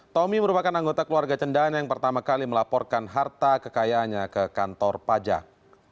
tommy merupakan anggota keluarga cendana yang pertama kali melaporkan harta kekayaannya ke kantor pajak